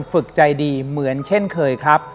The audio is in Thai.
ฝึกใจดีเหมือนเช่นเคยครับ